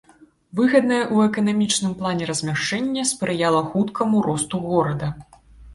Выгаднае ў эканамічным плане размяшчэнне спрыяла хуткаму росту горада.